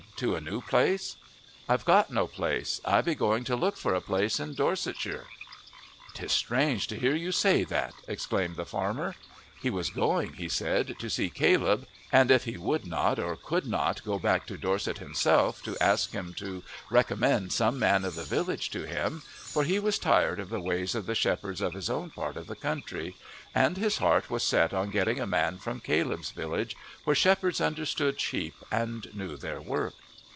to a new place?" "I've got no place; I be going to look for a place in Dorsetsheer." "'Tis strange to hear you say that," exclaimed the farmer. He was going, he said, to see Caleb, and if he would not or could not go back to Dorset himself to ask him to recommend some man of the village to him; for he was tired of the ways of the shepherds of his own part of the country, and his heart was set on getting a man from Caleb's village, where shepherds understood sheep and knew their work.